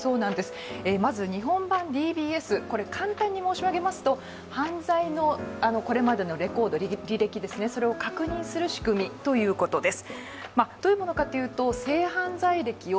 まず、日本版ＤＢＳ、簡単に申し上げますと犯罪のこれまのレコード、履歴、それを確認する仕組みということです。